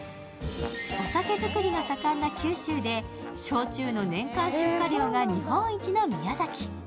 お酒造りが盛んな九州で、焼酎の年間出荷量が日本一の宮崎。